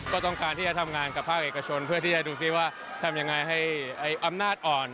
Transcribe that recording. ก็ต้องการที่จะทำงานกับภาคเอกชนเพื่อที่จะดูซิว่าทำยังไงให้อำนาจอ่อน